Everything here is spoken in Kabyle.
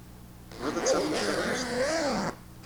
Tebɣiḍ ad ternuḍ taɣlust?